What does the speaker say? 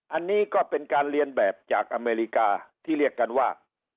อันนี้ก็เป็นการเรียนแบบจากอเมริกาที่เรียกกันว่า